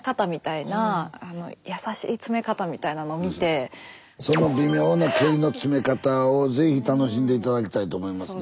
それこそ私はやっぱその微妙な距離の詰め方を是非楽しんで頂きたいと思いますね。